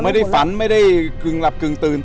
ไม่ได้ฝันไม่ได้กึ่งหลับกึ่งตื่น